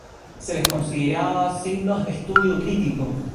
Se les consideraba dignos de estudio crítico.